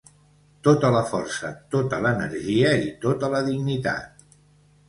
Tota la força, tota l’energia i tota la dignitat.